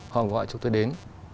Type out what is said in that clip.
họ gọi chúng tôi đến